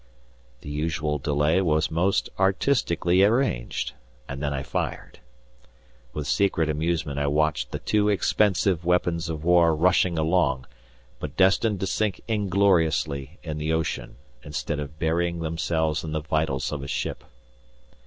The usual delay was most artistically arranged, and then I fired. With secret amusement I watched the two expensive weapons of war rushing along, but destined to sink ingloriously in the ocean, instead of burying themselves in the vitals of a ship.